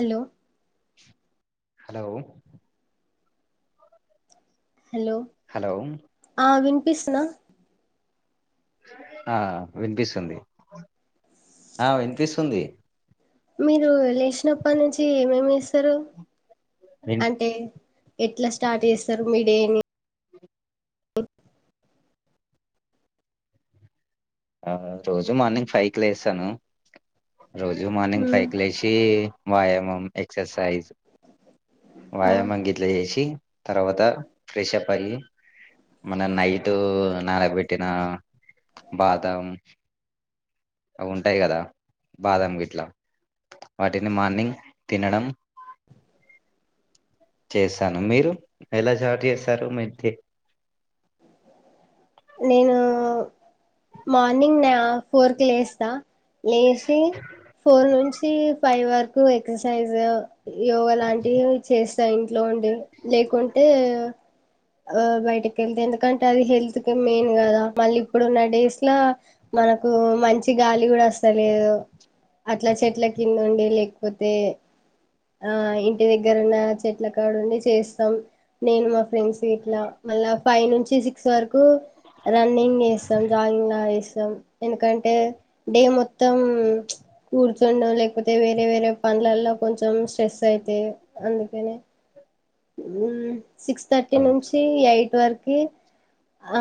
Hello hello hello hello ఆ విన్పిస్నా ఆ వినిపిస్తుంది ఆ వినిపిస్తుంది మీరు లేచినప్పటి నుంచి ఏమేమి చేస్తారు విన్ అంటే ఎట్లా స్టార్ట్ చేస్తారు మీడేని ఆ రోజు మార్నింగ్ ఫైవ్ కి లేస్తాను రోజు మార్నింగ్ మ్మ్, ఫైవ్ కీ లేచి వ్యాయామం ఎక్సర్సైజ్ ఆ వ్యాయామం గిట్లా చేసి తర్వాత ఫ్రెష్ప్ అయి మన నైట్ నానబెట్టిన బాదం అవి ఉంటాయి కదా బాదం గట్లా వాటిని మార్నింగ్ తినడం చేసాను మీరు ఎలా జాటు చేస్తారు మీ నేను మార్నింగ్ ఫోర్ కీ లేస్తా లేచి ఫోర్ నుంచి పై వరకు ఎక్సర్సైజ్ యోగ లాంటివి చేస్తా ఇంట్లో ఉ లేకుంటే ఆ బయటికి ఎల్ల్తా ఎందుకంటే అది హెల్త్ కి మెయిన్ కదా మళ్ళీ ఇప్పుడున్న డేస్ లా మనకు మంచి గాలి కూడా వస్తలేదు అట్లా చెట్ల కింద ఉండి లేకపోతే ఆ ఇంటి దగ్గర ఉన్న చెట్లకాడ ఉండి చేస్తాం నేను మా ఫ్రెండ్స్ వీట్లా మళ్ళ ఫైవ్ నుంచి సిక్స్ వరకు రన్నింగ్ జెస్తాం జాగింగ్ లజెస్తాం ఎందుకంటే డే మొత్తం మొత్తం కూర్చుండం లేకపోతే వేరే వేరే పండ్లల్లో కొంచెం స్ట్రెస్ అయితాయి అందుకనే సిక్స్ థర్టీ నుంచి ఎయిట్ వరకు ఆ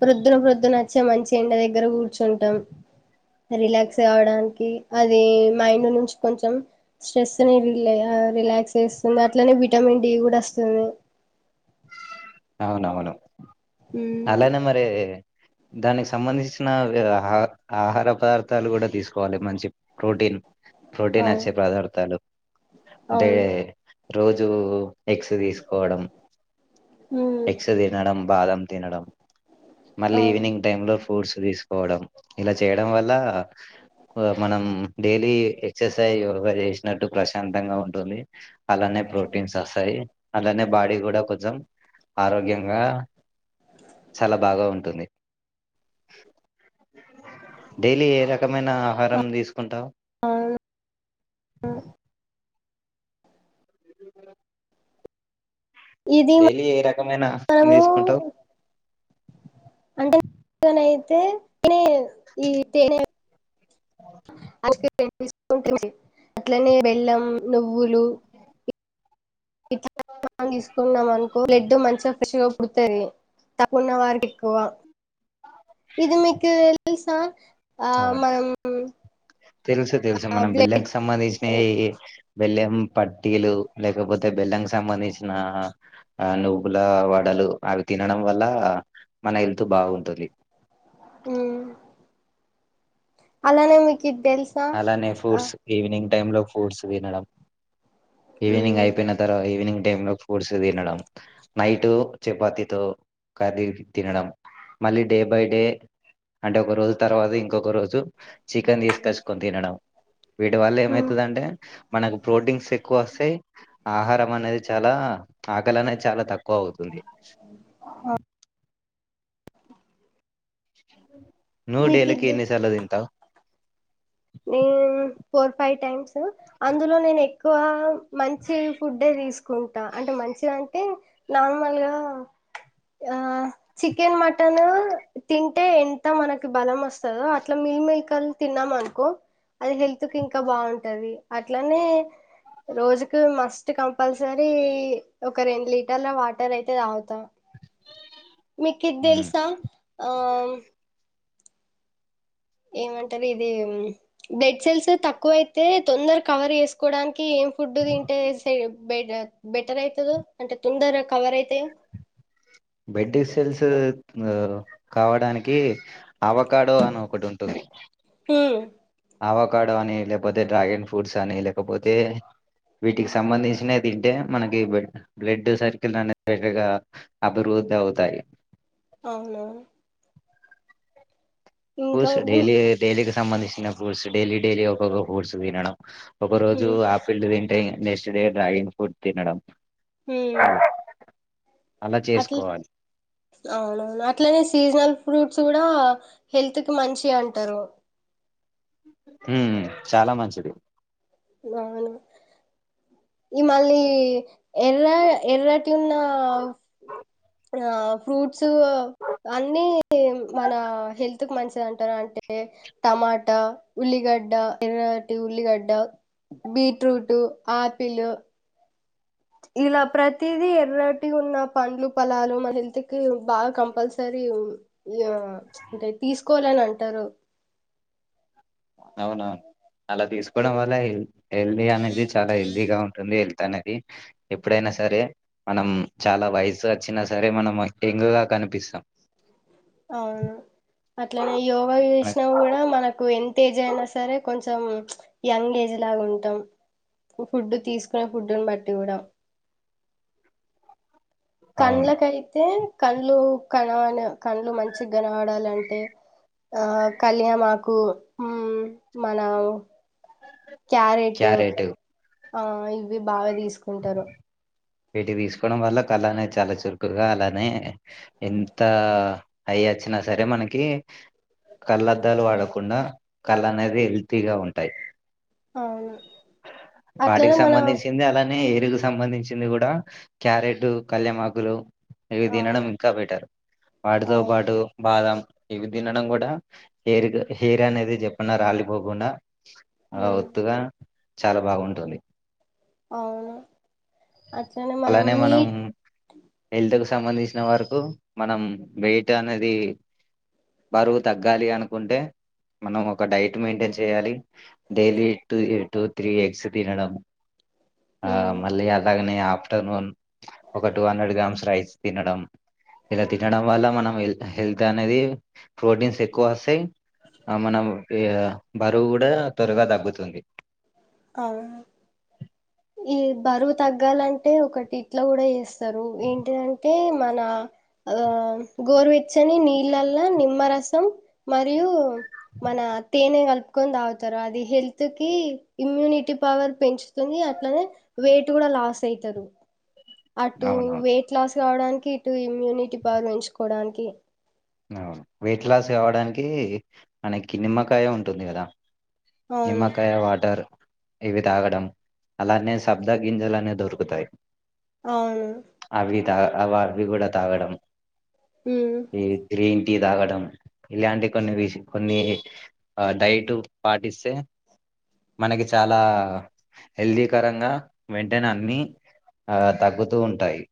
ప్రొద్దున ప్రొద్దున వచ్చా మంచి ఎండ దగ్గర కూర్చుంటాం రిలాక్స్ కావడానికి అది మైండ్ నుంచి కొంచం స్ట్రెస్ని రీల్ రిలాక్స్ చేస్తుంది అట్లనే విటమిన్ డి కూడా వస్తుంది అవునవును మ్మ్ అలానే మరి దానికి సంబంధించిన ఆహ ఆహార పదార్థాలు కూడా తీసుకోవాలి మంచి ప్రోటీన్ ప్రోటీన్ అవును వచ్చే పదార్థాలు అంటే అవును రోజు ఎగ్స్ తీసుకోవడం మ్మ్ ఎక్స్ తినడం బాదం తినడం మళ్ళీ అవును ఈవినింగ్ టైమ్ లో ఫ్రూట్స్ తీసుకోవడం ఇలా చేయడం వల్ల మనం డైలీ ఎక్సర్సైజ్ యోగా చేసినట్టు ప్రశాంతంగా ఉంటుంది అలానే ఏ ప్రోటీన్స్ వస్తాది అట్లానే బాడీ కూడా కొంచెం ఆరోగ్యంగా చాలా బాగా ఉంటుంది డైలీ ఏ రక్ రకమైన ఆహారం తీసుకుంటావు అవును ఇది డైలీ ఏ రకమైన తీసుకుంటావు అంటేన అయితే త ఈ తే [inaudible] [unintelligible] అట్లనే బెల్లం నువ్వులు ఇట్లా తీసుకుంటున్నాం అనుకో బ్లడ్ మంచిగా మంచిగా పుడతాది తక్కువ ఉన్నవారికి ఎక్కువ ఇది మీకు వెల్సా అవును తెలుసు తెలుసు మనం బ్లడ్ బెల్లం సంబంధించినయి బెల్లం పటీలు లేకపోతే బెల్లం సంబంధించిన ఆ నుూపుల వాడ లు అవి తినడం వల్ల మన హెల్త్ బాగుంటుంది అలానే ఇది తెలుసా అలానే ఆ ఫ్రూడ్స్ ఈవినింగ్ టై లో ఫ్రూడ్స్ తినడం ఈవినింగ్ మ్ అయిపోయిన తర్వా ఈవినింగ్ టైంలో ఫూడ్స్ తినడం నైట్ చపాతితో కర్రీ తినడం మళ్ళీ డే బై డే అంటే ఒక రోజు తర్వాత ఇంకొక రోజు చికెన్ తీసుకొచ్చుకొని తినడం వీటి వల్ల మ్ ఏమైతుందింటే మనకు ప్రోటీన్స్ ఎక్కువ వస్తాయి ఆహారం అనేది చాలా ఆకలి అనేది చాలా తక్కువ అవుతుంది ఆ నువ్వు మీకు డైలీకి ఇది ఎన్ని సార్లు తింటావు నేను ఫోర్ ఫైవ్ టైమ్స్ అందులో నేను ఎక్కువ మంచి ఫుడ్ తీసుకుంటా అంటే మంచి అంటే నార్మల్గా ఆ చికెన్ మటన్ తింటే ఎంత మనకి బలం వస్తు స అట్లా మిల్లి మేకర్లు తిన్నామ అను కో అది హెల్త్ కి ఇంకా బాగుంటది అట్లానే రోజుకి మస్ ఫట్ కంపల్సరీ ఒక రెండు లీటర్ల వాటర్ అయితే తాగుతానూ మీకిది ఉమ్. తెలుసా ఆ ఏమంటారు ఇది బ్లెడ్ సెల్స్ తక్కువయితే తొందర కవర్ చేసుకోవడానికి కి ఏం ఫుడ్ తింటే బెడ్ బెటర్ అవుతుంది అంటే తొందర కవర్ అయితాయో బెడ్సెల్స్ ఆ కావడానికి అవకాడో అని ఒకటి ఉంటుంది అవకాడో అని లేకపోతే డ్రాగన్ ఫ్రూట్స్ అని లేకపోతే వీటికి సంబంధించిన తింటే మనకి బ్లడ్ సర్కియల్ అనేదిగా అభిరు ధవుతాయి అవునువును ఫూస్ డైలీ డైలీకి సంబంధించిన ఫూట్స్ డైలీ డైలీ ఒక్కొక్క ఫ్రూట్స్ తినడం ఒక రోజు ఉమ్ ఆ ఫీల్డ్ తింటే నెక్స్ట్ డే డ్రాగింగ్ ఫ్రూడ్ తినడం ఆ అట్లా అవునవును అట్లనే సీజనల్ ఫ్రూట్ స్ కూడ హెల్త్ కి మంచియి అంటరు. హ్మ్ చాలా మంచిది. బావున్నవా. ఈ మళ్ళీ ఎర్ర ఎర్రటి ఉన్నా ఆ ఫ్రూట్స్ అన్ని మన హెల్త్ కు మంచిది అంటరు. అ [inaudible] టమాట, ఉల్లిగడ్డ, ఎర్రటి ఉల్లిగడ్డ బీట్రూట్, ఆపిలు ఇలా ప్రతిదీ ఎర్రటి ఉన్న పండ్లు, పలాలు మన హెల్త్ కి బాగా కంపల్సరీ. రియిం యా ఇంకా తీసుకోవాలని అంటరు. అవునవును అలా తీసుకోవడం వల్లా హె హెల్దీ అనేది చాలా హెల్దీగా ఉంటుంది. హెల్ ల్త్అనేది ఎప్పుడైనా సరే మనం చాలా వయసు వచ్చిన సరే మనం యంగ్ గా క నిపిస్తాం. అవును అట్లనే యోగా మన- చేశినా కూడా మనకు ఎం తేజ్ అయినా సరే కొంచెం యంగ్ ఏజ్ లాగా ఉంటం. ఫుడ్ తీసుకునే ఫుడ్డును బట్టి కూడా. అవును కండ్లకైతే కళ్లు కనవన కళ్ళు మంచి కనవడాలంటే ఆ కళ్యామాకు మన క్యారెట్ ఆ ఇవి బాగా తీసుకుంటరు. వీటిని తీసుకోవడం వల్ల కల్లనేయి చాలా చురుకుగా అలానే ఎంతా ఏజ్ అచ్చినా సరే మనకి కళ్ళద్దాలు వాడకుండా కళ్ళు అనేవి హెల్తీగా ఉంటాయి. అవును. వాటికి అట్లనే మన సంబంధించింది అలానే హెల్త్ సంబంధించింది కూడా క్యారెటు, కళ్యామాకులు ఇవి తినడం అవును ఇంకా బెటరు. వాటితో అవును పాటు బాదం ఇవి తినడం కూడా హేయిర్ కు హేయిరు అనేది జప్పనా రాలిపోకుండా ఆ మ్మ్ ఒత్తుగా చాలా బాగుంటుంది. అవును అట్లనే అలానే మనం మీట్ హెల్త్ కు సంబంధించిన వరకు మనం వెయిట్ అనేది బరువు తగ్గాలి అనుకుంటే మనం ఒక డైట్ మెయింటైన్ చేయాలి. Daily two two three eggs తినడం ఆ మ్మ్ మళ్ళీ అలాగనే ఆ ఆఫ్టర్నూన్ ఒక టూ హండ్రెడ్ గ్రామ్స్ రైస్ తినడం. ఇలా తినడం వల్ల మనం హెల్ హెల్త్ అనేది ప్రోటీన్స్ ఎక్కువ వస్తయి. ఆ మనము ఇగా బరువు కూడా త్వరగా తగ్గుతుంది. అవును ఈ బరువు తగ్గాలంటే ఒకటి ఇట్లా కూడా చేస్తారు. ఏంటిదంటే మన ఆ గోరువెచ్చని నీళ్ళల్ల నిమ్మరసం మరియు మన తేనె కలుపుకొని తాగుతరు అది హెల్త్ కి ఇమ్యూనిటీ పవర్ పెంచుతుంది అట్లనే వెయిట్ కూడా లాస్ అయితరు. అటు అవునవును వెయిట్ లాస్ కావడానికి ఇటు ఇమ్యూనిటీ పవర్ పెంచుకోవడానికి ఆ అవును వెయిట్ లాస్ కావడానికి మనకిి నిమ్మకాయ ఉంటుంది కదా అవును నిమ్మకాయ వాటర్ ఇవి తాగడం అలానే సబ్ద గింజలు అనే దొరుకుతాయి ఆవును త అవ అవి కూడా తాగడం ఉమ్ ఈ త్రీ టీ తాగడం ఇలాంటి కొన్ని విష్ కొన్ని డైట్ పాటి మనకి చాలా హెల్దీకరంగా వెంటనే అన్ని ఆ తగ్గుతూ ఉంటాయి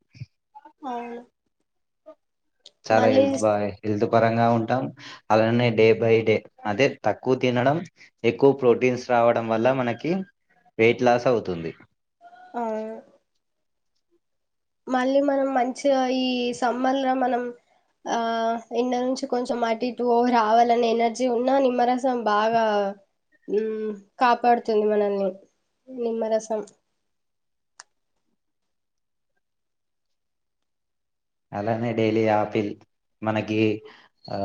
ఆవును చాలా హెల్త్ బా హెల్త్ పరంగా ఉంటాం అలానే డే బై డే అదే తక్కువ తినడం ఎక్కువ ప్రోటీన్స్ రావడం వల్ల మనకి వెయిట్ లాస్ అవుతుంది ఆ మళ్ళీ మనం మంచిగ ఈ సమ్మర్ ల మనం ఆ ఇన్న నుంచి కొంచెం అటు ఇటు రావాలని ఎనర్జీ ఉన్నా నిమ్మరసం బాగా ఉమ్ కాపాడుతుంది మనల్ని నిమ్మరసం అలానే డైలీ ఆపిల్ మనకి ఆ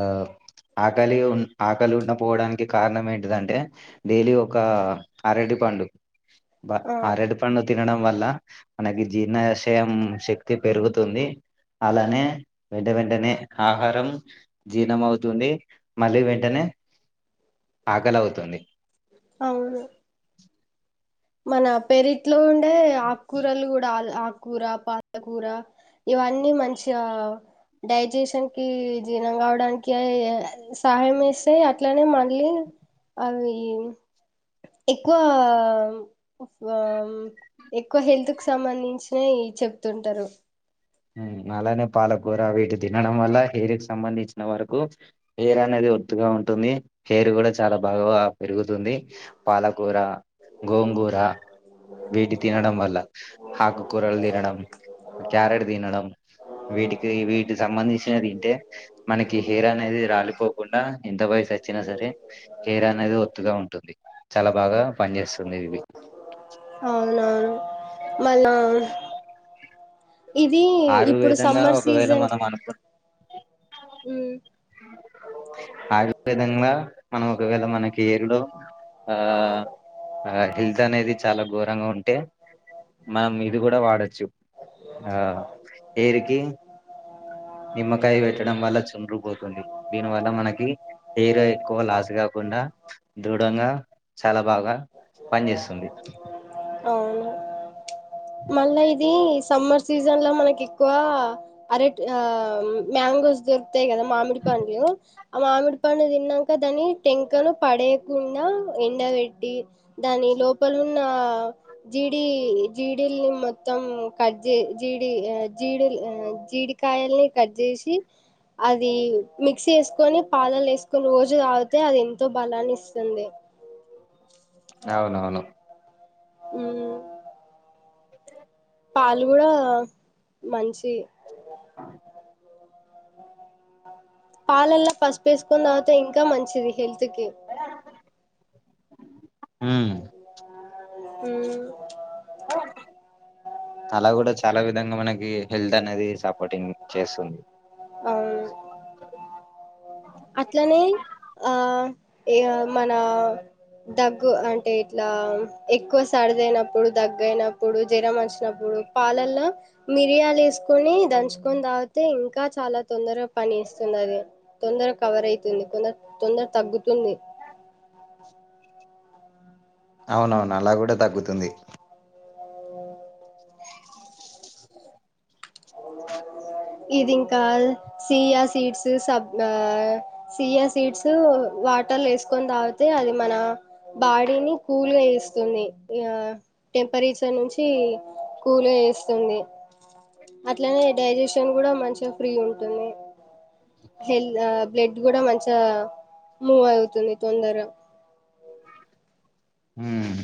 ఆకలి ఉన్ ఆకలి ఉండపోవడానికి కారణం ఏంటిదంటే డైలీ ఒక అరటి పండు అబ ఆ అరటి పండు తినడం వల్ల మనకి జీర్ణాశయం శక్తి పెరుగుతుంది అలానే వెంట వెంటనే ఆహారం జీర్ణం అవుతుంది మళ్ళీ వెంటనే ఆకలవుతుంది అవును మన పెరిట్లో ఉండే ఆకుకూరలు కూడా ఆల్ ఆక్ కూూర పాత కూూర ఇవన్నీ మంచిగా డైజెషన్ కి జీర్ణం కావడానికి సహాయం ఏస్తయ్ అట్లనే మళ్ళీ అవి ఎక్కువ ఎక్కువ హెల్త్ కు సంబంధించిన చెప్తుంటారు ఉమ్, అలానే పాలకూర వీటి తినడం వల్ల హెయిర్ కు సంబంధించిన వరకు హెయిర్ అనేది ఒత్తుగా ఉం ఉంటుంది హెర్ కూడా చాలా బాగా పెరుగు తుంది పాలకూర గోంగూర వీటి తినడం వల హాకు కూరలు తినడం క్యారెట్ నడం వీటికి వీటి సంబంధించి ఇన తింటే మనకి హెయిర్ అనేది రాలిపోకుండా ఎంత వయసు వచ్చినా సరే హెయిర్ అనే ఏదో ఒత్తుగా ఉంటుంది చాలా బాగా పనిచేస్తుంది ఇది మళ్లా ఇది ఇప్పుడు ఆయుర్వేదంగా సమ్మర్ సీజన్ ఆగ్వెదంగా మనము ఒకవేళ మనకి ఎలో ఆ ఆ హెల్త్ అనేది చాలా ఘోరంగా ఉంటే మనం ఇది కూడా వాడొచ్చు ఆ ఏరికి ఆ నిమ్మకాయ పెట్టడం వల్ల చుండ్రపోతుంది దీనివల్ల మనకి హెయిర్ ఎక్కువ లాస్ కాకుండా దృఢంగా చాలా బాగా పనిచేస్తుంది అవును మళ్ళా ఇది సమ్మర్ సీజన్ లో మనకి ఎక్కువ అరెట్ ఆ మా మ్యాంగోస్ దొకుతాయి కదా మామిడి పండు ఆ మామిడి పండు తిన్నాక దాని టెంకను పడే నిండా ఎండ పెట్టి దాని లోపలున్న జిడి జిడీల్ని మొత్తం కట్జె జిడి జీడిల్ జిడికాయలు కట్ చేసి అది మిక్సీ చేసుకొని పాలల్లో వేసుకొని రోజు తాగితే అది ఎంతో బలాన్ని ఇస్తుంది అవునవును ఉమ్ పాలు కూడా మంచి పాలల్లో ఫస్పేసుకుని తాగుతే ఇంకా మంచిది హెల్త్ కి ఉమ్ ఉమ్ అలా కూడా చాలా విధంగా మనకి హెల్త్ అనేది సపోర్టింగ్ చేస్తుంది అవును అట్లనే ఆ ఇంగ మన దగ్గు అంటే ఇట్లా ఎక్కువ సడిదయినప్పుడు దగ్గ అయినప్పుడు జ్వరం వంచినప్ పాలల్లో మిరియాలు వేసుకొని దంచుకొని తాగితే ఇంకా చాలా తొందరగా పని చేస్ సున్నది తొందర కవర్ అయితుంది కొంద తొందర తగ్గుతుంది అవునవును అలా గూడ తగ్గుతుంది ఇదింకా సియా సీడ్స్ సబ్ ఆ సియా సీడ్స్ వాటర్లు వేసుకొని తాగితే అది మన బాడీని కూల్గా చేస్తుంది టెంపరేచర్ నుంచి కూల్గా ఎస్తుంది అట్లనే డైజెషన్ కూడా మంచిగ ఫ్రీ ఉంటుంది హెల్ ఆ బ్లడ్ కూడా మంచిగ మూవ్ అవుతుంది తొందర ఉమ్